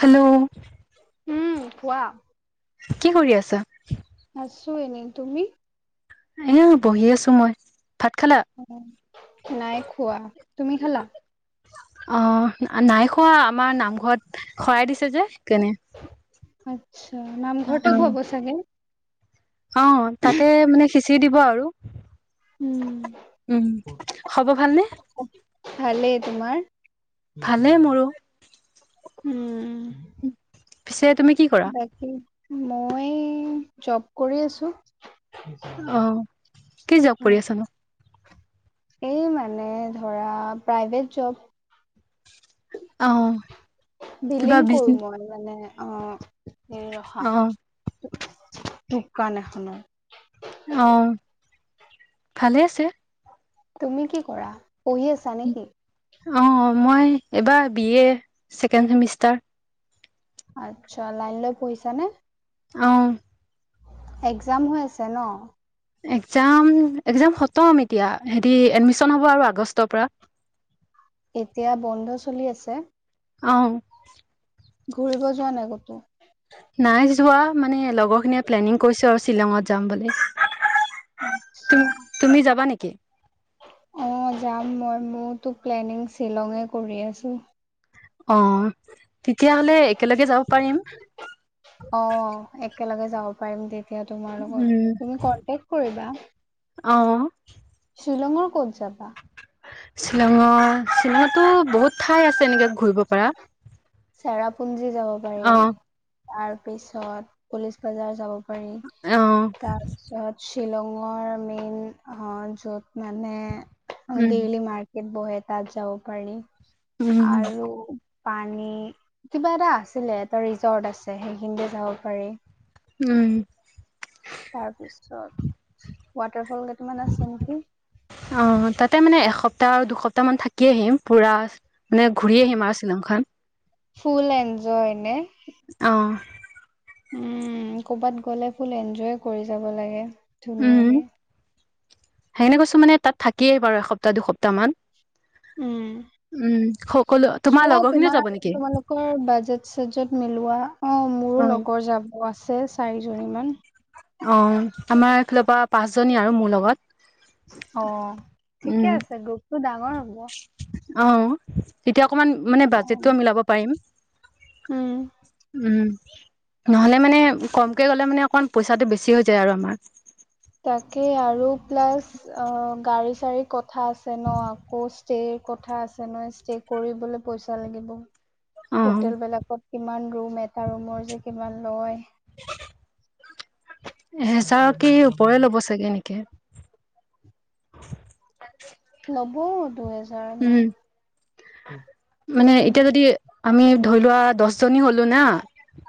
Hello উম' কোৱা? কি কৰি আছা? আছো এনেই তুমি? এ বহি আছো মই, ভাত খালা? নাই খোৱা, তুমি খালা? অঁ নাই খোৱা আমাৰ নামঘৰত শৰাই দিছে যে সেইকানে। আচ্ছা, নাম ঘৰতে খুৱাব চাগে? অঁ তাতে মানে খিছিৰি দিব আৰু। উম উম' খবৰ ভালনে? ভালেই তোমাৰ? ভালে মোৰো। উম্ পিছে তুমি কি কৰা? মই জব কৰি আছোঁ। অ, কি জব কৰি আছানো? এ্ মানে ধৰা প্ৰাইভেট জব। অ' কিবা বিলিং কৰোঁ বিজনে মই মানে অ্ঁ। এ ৰখা, অ' দোককান এখনত। অঁ। ভালেই আছে। তুমি কি কৰা? পঢ়ি আছা নে কি? অঁ মই এইবাৰ বি এ ছেকেণ্ড চেমিষ্টাৰ। আচ্ছা লাইন লৈ পঢ়িছানে? অঁ। একজাম হৈ আছে ন? এক্সাম, এক্সাম খতম এতিয়া হেৰি এডমিশ্যন হ'ব আৰু আগষ্টৰ পৰা। এতিয়া বন্ধ চলি আছে? অ ঘূৰিব যোৱা নাই কতো? নাই যোৱা। মানে লগৰখিনিয়ে প্লেনিং কৰিছে আৰু শ্বিলঙত যাম বুলি। আচ্ছা। তুমি তুমি যাবা নেকি? অ যাম মই। মোৰতো প্লেনিং শ্বিলঙে কৰি আছোঁ। অ তেতিয়াহ'লে একেলগে যাব পাৰিম। অ একেলগে যাব পাৰিম তেতিয়া তোমাৰ লগত উম তুমি কনটেক কৰিবা। অ শ্বিলঙৰ ক'ত যাবা? শ্বিলঙৰ, শ্বিলঙতো বহুত ঠাই আছে এনেকে ঘূৰিব পৰা। চেৰাপুঞ্জী যাব পাৰি। অ তাৰ পিছত পলিচ বজাৰ যাব পাৰি, অ তাৰপিছত শ্বিলঙৰ মেইন অ য'ত মানে উম ডেইলি মাৰ বহে তাত যাব পাৰি উম আৰু পানী কিবা এটা আছিলে। এটা ৰিজৰ্ট আছে সেইখিনিটো যাব পাৰি। উম। তাৰপিছত ৱাটাৰ ফল কেইটামান আছে নেকি? অ তাতে মানে এসপ্তাহ দুসপ্তাহ মান থাকি আহিম পুৰা ঘূৰি আহিম আ শ্বিলংখন। ফুল এঞ্জয় নে? অ উম, ক'ৰবাত গ'লে ফুল এঞ্জয় কৰি যাব লাগে ধুনীয়াকে। সেইকাৰনে কৈছোঁ মানে তাত থাকিয়েই বাৰু এসপ্তাহ দুসপ্তামান। উম। উম সকলো তোমাৰ চোৱা লগৰখিনিয়ে তোমাৰ যাব নেকি তোমালোকৰ বাজেট চাজেট মিলোৱা। অ মোৰো অ লগৰ যাব অ আছে চাৰিজনীমান। অ আমাৰ এইফালৰ পৰা পাঁচজনী আৰু মোৰ লগত। অ উম, ঠিকে আছে, গ্ৰুপটো ডাঙৰ হ'ব। অ তেতিয়া অকমান মানে অ বাজেটটো মিলাবও পাৰিম। উম উম, নহ'লে মানে কমকে গ'লে মানে অকন পইচাটো বেছি হৈ যায় আৰু আমাৰ। তাকে আৰু প্লাছ অ গাড়ী চাড়ীৰ কথা আছে ন, আকৌ ষ্টেৰ কথা আছে ন ষ্টে কৰিবলে পইচা লাগিব। [inaudible] হোটেলবিলাকত কিমান ৰুম, এটা ৰুমৰ যে কিমান লয়? হেজাৰ কি ওপৰে ল'ব চাগে নেকি? ল'ব দুহেজাৰ মান উম, মানে ৰুম এতিয়া যদি আমি ধৰি লোৱা দহজনী হ'লো না।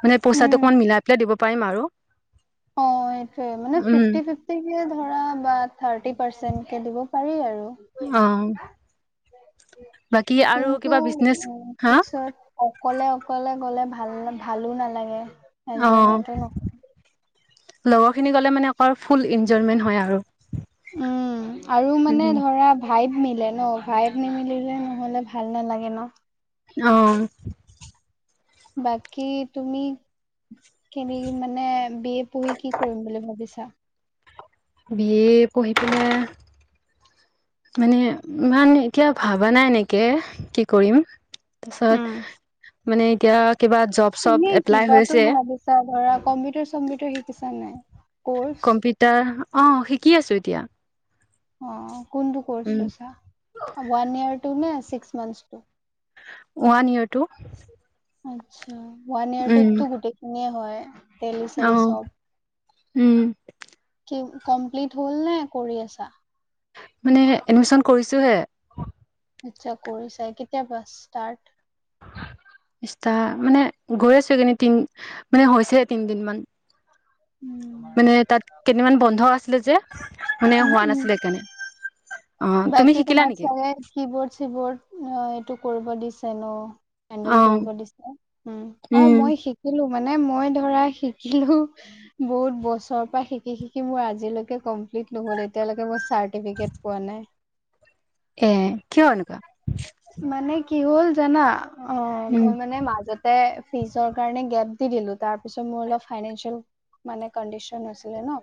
মানে পইচাটো উম অকমান মিলাই পেলাই দিব পাৰিম আৰু। অ এইটোৱে মানে উম, ফিফটি ফিফ ধৰা বা থাৰ্টি পাৰ্চেন্টকে দিব পাৰি আৰু। অ বাকী আৰু কিন্তু কিবা বিজনেচ উ হা পিছত অকলে অকলে গলে ভাল নালাগে। অঁ, এনজয়মেন্টো ন লগৰ খিনি গলে মানে আক ফুল ইঞ্জয়মেন হয় আৰু। উম আৰু মানে উম, ধৰা ভাইভ মিলে ন, ভাইভ নিমিলিলে নহ'লে ভাল নালাগে ন। অঁ। বাকি তুমি খিনি মানে বি এ পঢ়ি কি কৰিম বুলি ভাবিছা? বিএ পঢ়ি পিনে মানে ইমান এতিয়া ভবা নাই এনেকে কি কৰিম। উম তাৰপাছত মানে এতিয়া কিবা জব চব এপ্লাই হৈছে। ছা ধৰা কম্পিউটাৰ চম্পিউটাৰ শিকিছা নাই? কৰ্চ কম্পিউটাৰ অঁ শিকি আছো এতিয়া। অঁ, কোনটো কৰ্চ উম লৈছা, ওৱান ইয়াৰটো নে চিক্স মন্থচটো? ওৱান ইয়াৰটো। আচ্ছা, ওৱান ইয়াৰ টুততো গোটেইখিনিয়ে হয়। তেলি অ চেলি চপ। উম কি কমপ্লিট হ'ল নে কৰি আছা? মানে এডমিশচন কৰিছোহে। আচ্ছা কৰিছাই, কেতিয়াবা ষ্টাৰ্ট? ষ্টা মানে গৈ আছো এইকেদিন তিন মানে হৈছেহে তিন দিন মান। উম মানে তাত কেইদমান বন্ধ আছিলে যে? মানে উম হোৱা উম নাছিলে, সেইকাৰণে অঁ তুমি শিকিলা নেকি? কি বৰ্ড চিবৰ্ড অঁ এইটো কৰিব দিছে ন। অ হেণ্ডেল কৰিব দিছে উম, অঁ মই শিকিলো মানে মই ধৰা শিকিলো। বহুত বছৰৰ পৰা শিকি শিকি মোৰ আজিলৈকে ক'ম প্লিট নহল এতিয়ালৈকে মই চাৰ্টিফিকেট পোৱা নাই। এ কিয় এনেকুৱা? মানে কি হ'ল জানা, অঁ উম মই মানে মাজ তে ফিজৰ কাৰণে গেপ দি দিলো, তাৰপিছত মোৰ অলপ ফাইনেছিয়েল মানে কণ্ডিশন আছিলে ন।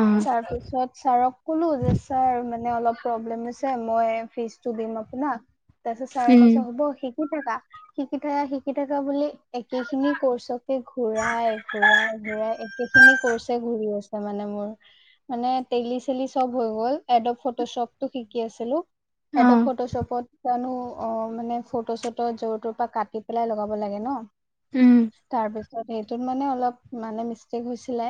অ তাৰপিছত ছাৰক ক'লো, যে ছাৰ মানে অলপ প্ৰব্লেম হৈছে মই ফিজটো দিম আপোনাক, তাৰপিছত ছাৰে উম কৈছে হ'ব শি কি থাকা, শিকি থাকা শিকি থাকা বুলি একে খিনি কৰ্চকে ঘূৰাই ঘূৰাই ঘূৰাই একে খিনি কৰ্ছে ঘূৰি আছোঁ মানে মোৰ মানে টেলি চেলি চব হৈ গল এডপ ফটোশ্বপটো শিকি আছিলো। অ এডপ ফটোশ্বপ কিয়নো অঁ মানে ফটো চটো য'ৰ তৰ পৰা কাটি পেলাই লগাব লাগে ন। উম। তাৰ পিছত সেইটোত মানে অলপ মানে মিষ্টেক হৈছিলে।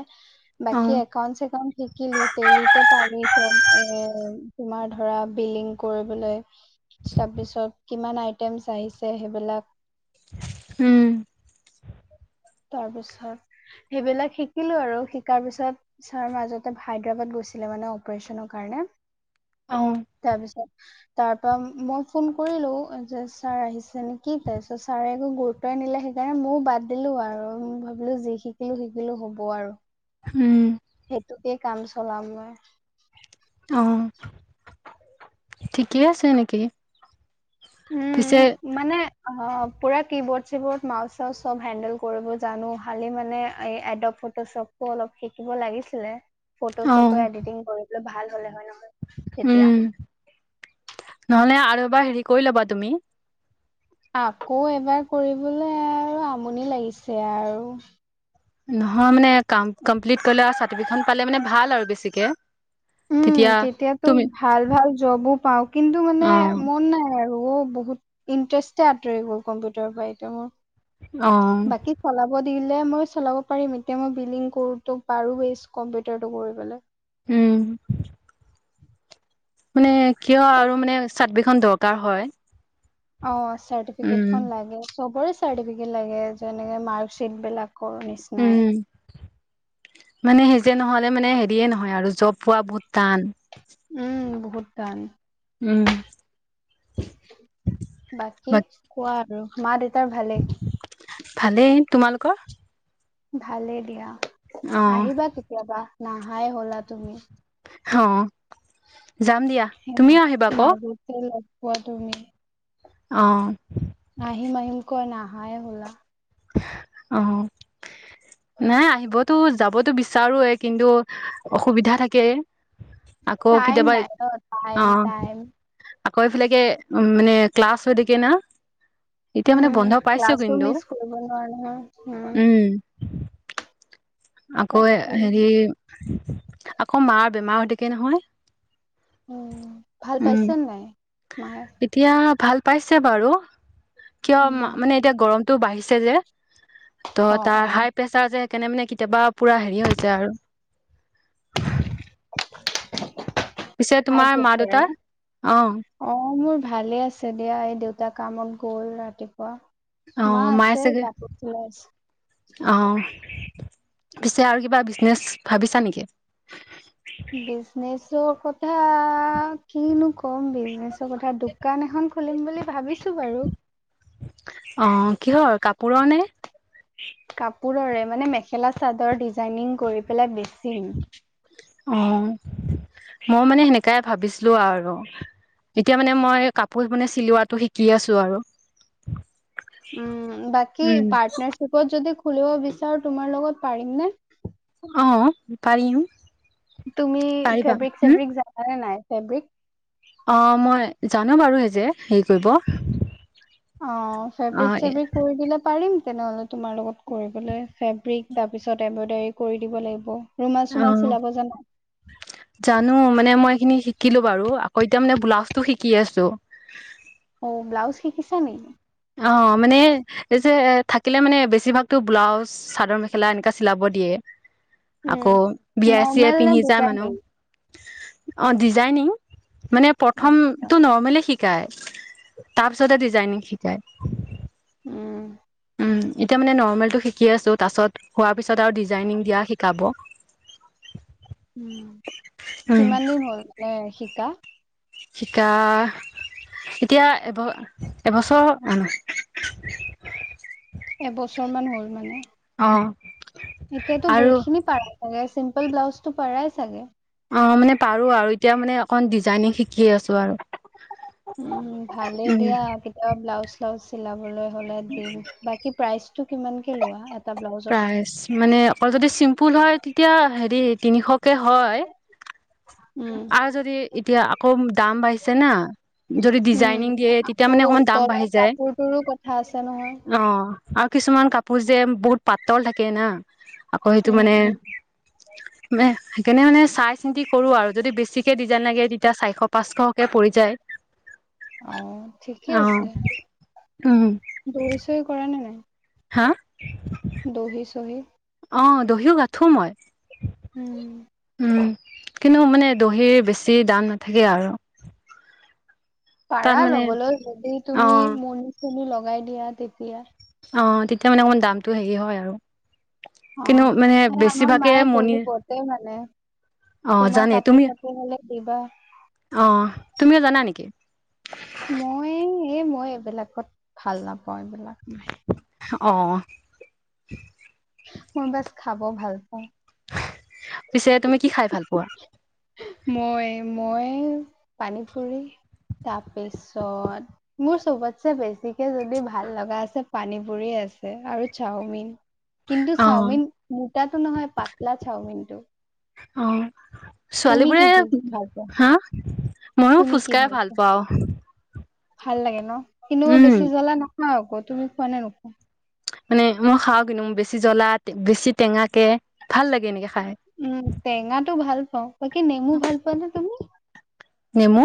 অ বাকী একাউন্ট চেকাউন্ট শিকিলো, তেলিতে পাৰি এ তোমাৰ ধৰা বিলিং কৰিবলে তাৰপিছত কিমান আইটেমছ আহিছে সেইবিলাক উম। তাৰপিছত সেইবিলাক শিকিলো আৰু শিকাৰ পিছত ছাৰ মাজতে হায়দৰাবাদ গৈছিলে মানে অপাৰেচনৰ কাৰণে অঁ। তাৰপিছত তাৰপৰা মই ফোন কৰিলো যে, ছাৰ আহিছে নেকি? তাৰপিছত ছাৰে একো গুৰু ত্বই নিদিলে সেইকাৰণে ময়ো বাদ দিলো আৰু ভাবিলো যি শিকিলো শিকিলো হ'ব আৰু। উম। সেইটোকে কাম চলাম মই। অঁ ঠিকেই আছে এনেকেই। উম পিছে মানে অ পোৰা কীবৰ্ড চিবৰ্ড মাউচ চাউচ চব হেন্দেল কৰিব জানো, খালি মানে এই এডপ ফটোশ্বপো অলপ শিকিব লাগিছিলে। ফটো অ', চটো এডিটিং কৰিবলে ভাল হলে হয় নহয় তেতিয়া। উম, নহলে আৰু এবাৰ হেৰি কৰি ল'বা তুমি। আকৌ এবাৰ কৰিবলে আৰু আমনি লাগিছে আৰু। নহয় মানে কাৰণ কমপ্লিট কৰি লোৱা চাৰ্টিফিকেটখন পালে মানে ভাল আৰু বেছিকে। উম তেতিয়া তেতিয়াতো তুমি ভাল ভাল জবো পাওঁ, কিন্তু মানে অ', মন নাই আৰু ও বহুত ইণ্টাৰেষ্টে আঁতৰি গ'ল কম্পিউটাৰৰ পৰা এতিয়া মোৰ। অঁ। বাকী চলাব দিলে মই চলাব পাৰিম এতিয়া মই বিলিং কৰোতো পৰোৱেই কম্পিউটাৰটো কৰিবলে। উম। মানে কিয় আৰু মানে চাতবি খন দৰকাৰ হয়। অঁ চাৰ্টিফিকেট উম, খন লাগে চবৰে চাৰ্টিফিকেট লাগে, যেনেকে মাৰ্কশ্বিট বিলাকৰ নিচ উম। মানে সেই যে নহ'লে মানে হেৰিয়ে নহয় আৰু জব পোৱা বহুত টান। উম বহুত টান। উম। বাকী বাট কোৱা আৰু, মা দেউতাৰ ভালেই? ভালেই, তোমালোকৰ? ভালেই দিয়া, অ', আহিবা কেতিয়াবা নাহাই হলা তুমি। হ যাম দিয়া। হেমাহ তুমিও আহিবা আকৌ মাজতে লগ পোৱা তুমি। অঁ। আলিম, আহিম, কৈ নাহায় হলা। অঁহ নাই আহিব তো যাবতো বিচাৰোয়ে, কিন্তু অসুবিধা থাকে। আকৌ টাইম কেতিয়াবা নাই ন টাইম অঁ। টাইম আকৌ, এইফালেকে উম মানে ক্লাছ হৈ থাকে না। এতিয়া মানে উম, বন্ধ পাইছো ক্লাছো কিন্তু মিছ কৰিব নোৱাৰো নহয়। উম। আকৌ এ তাকেই হেৰি, আকৌ মাৰ বেমাৰ হৈ থাকে নহয়। উম, ভাল উম পাইছে নে নাই মায়ে? এতিয়া ভাল পাইছে বাৰু, কিয় উম মা মনে এতিয়া গৰমটো বাঢ়িছে যে, অ ত' তাৰ অ হাই প্ৰেচাৰ যে সেইকাৰণে মানে কি কেতিয়াবা পোৰা হেৰি হৈ যায় আৰু। পিছে, হাই তোমাৰ প্ৰেচাৰ মা-দেউতা, নে অ'। অ', মোৰ ভালেই আছে দিয়া, এই দেউতা কামত গ'ল ৰাতিপুৱা। অ মা মায়ে আছে, চাগে কাপোৰ ধুই আছে। অ', পিছে আৰু কিবা বিজনেছ, ভাবিছা নিকি? বিজনেচৰ কথা, কিনো ক'ম বিজনেচৰ কথা, দোকান এখন খুলিম বুলি, ভাবিছো বাৰু। অ', কিহৰ, কাপোৰৰ নে? কাপোৰৰে, মানে মেখেলা-চাদৰ ডিজাইনিং কৰি পেলাই বেছিম। অ', ময়ো মানে সেনেকাই ভাবিছিলো আৰু। এতিয়া মানে মই, কাপোৰ মানে চিলোৱাটো শিকি আছো আৰু। উম, বাকী উম পাৰ্টনাৰশ্বিপত যদি খুলিব বিচাৰো, তোমাৰ লগত পাৰিম নে? অ', পাৰিম। তুমি পাৰিবা ফেব্ৰিক, হম চেব্ৰিক জানানে নাই, ফেব্ৰিক? অ' মই জানো বাৰু, এই যে হেৰি কৰিব। অ', অ ফেব্ৰিক, চেব্ৰিক কৰি দিলে, পাৰিম তেনেহ'লে। তোমাৰ লগত কৰিবলে, ফেব্ৰিক, তাৰপিছত এম্ব্ৰইডাৰী কৰি দিব লাগিব। ৰুমাল, অ চোমাল চিলাব জানা? জানো, মানে মই এইখিনি শিকিলো বাৰু, আকৌ এতিয়া মানে ব্লাউজটো শিকি আছো। অ' ব্লাউজ শিকিছা নি? অ', মানে এই যে, থাকিলে মানে বেছিভাগতো ব্লাউজ চাদৰ -মেখেলা এনেকা চিলাব দিয়ে, উম আকৌ বিয়াই চিয়াই নৰ্মেল নে পিন্ধি যায় মানুহ। ডিজাইনিং অ' ডিজাইনিং, মানে প্ৰথম আচ্ছা টো, নৰ্মেলি শিকাই, তাৰপিছতে ডিজাইনিং শিকায়। উম'। উম, এতিয়া মানে নৰ্মেলটো শিকি আছোঁ, তাৰপাছত হোৱাৰ পিছত আৰু ডিজাইনিং দিয়া শিকাব। [unintelligible] উম, কিমান দিন হ'ল, মানে শিকা? শিকা, এতিয়া এব, এবছৰ এবছৰ মান হ'ল মানে? অ'। এতিয়াতো আৰু বহুত খিনি পাৰাই চাগে, চিম্পল ব্লাউজটো পাৰাই চাগে? অ' মানে পাৰো আৰু, এতিয়া মানে অকণ ডিজাইনিং শিকি আছো আৰু। উম', ভালেই উম দিয়া, কেতিয়াবা ব্লাউজ চ্লাউজ চিলাবলৈ হ'লে দিম বা কি প্ৰাইচটো কিমানকে লোৱা, এটা ব্লাউজত? প্ৰাইজ মানে, অকল যদি চিম্পুল হয়, তেতিয়া হেৰি তিনিশকে হয়। উম আৰু যদি, এতিয়া আকৌ দাম বাঢ়িছে না। যদি ডিজাইনিং উম' দিয়ে তেতিয়া আকৌ মানে অকমান দাম তলৰ বাঢ়ি যায় কাপোৰটোৰো কথা আছে নহয়। অ আৰু কিছুমান কাপোৰ যে বহুত পাতল থাকে না, আকৌ সেইটো মানে। উম, উম, মে সেইকাৰণে মানে চাই চিন্তি কৰো আৰু। যদি বেছিকে ডিজাইন লাগে, তেতিয়া চাৰিশ পাঁচশকে পৰি যায়। অ' ঠিকে অ আছে, উম দহি চহি কৰা নে নাই? হা? দুহি, চহি? অ' দহিও গাথো মই। উম'। উম', কিন্তু মানে দহিৰ বেছি দাম নাথাকে আৰু। পাৰা তাত মানে লবলৈ যদি অ তুমি মনি-চনি লগাই দিয়া তেতিয়া। অঁ তেতিয়া মানে অকমান দামটো হেৰি হয় আৰু। কিন্তু অঁ মানে এ আমাৰ বেছিভাগে মায়ে মণি দহি বতে মানে। অ তোমাৰ কাপোৰ-চাপোৰ হলে দিবা! অঁ তুমিও জানা নেকি? মই এই মই এইবিলাকত ভাল নাপাওঁ এইবিলাক মই। অ্ মই বাছ খাব ভাল পাওঁ। পিছে তুমি কি খাই ভাল পোৱা? মই, মই পানী পুৰি তাৰপিছত মোৰ চবতছে বেছিকে যদি ভাল লগা আছে পানী পুৰি আছে আৰু চাওমিন। কিন্তু অ চাওমিন মোটাটো নহয় পাতলা চাওমিনটো। অঁ ছোৱালী তুমি বোৰে কি কি ভাল পোৱা হা? মইয়ো তুমি কি ফুচকাই ভাল পোৱা পাওঁ। ভাল লাগে ন? কিন্তু মই উম বেছি জ্বলা নাখাও আক তুমি খোৱা নে নোখোৱা? মানে মই খাওঁ কিন্তু মোৰ বেছি জ্বলা, বেছি টেঙাকে ভাল লাগে এনেকে খাই। উম' টেঙাটো ভাল পাওঁ বাকী নেমু ভাল পোৱা নে তুমি? নেমু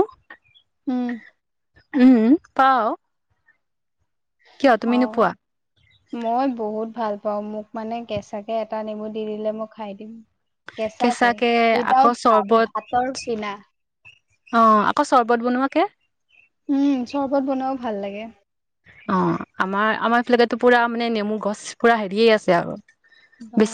উম উম' পাওঁ। অ নোপোৱা মই বহুত ভাল পাওঁ, মোক মানে কেঁচাকে এটা নেমু দি দিলে মই খাই দিম। কেঁচাকে, আকৌ উইদাউট ভাত, চৰ্বত ভাতৰ পিনা। অঁ আকৌ চৰ্বত বনোৱাকে উম' চৰ্বত বনোৱাও ভাল লাগে। অ্ আমাৰ আমাৰ এই ফালেতু পুৰা মানে নেমু গছ পুৰা হেৰিয়ে আছে আৰু। বা! বেছি